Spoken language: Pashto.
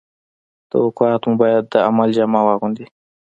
توقعات مو باید د عمل جامه واغوندي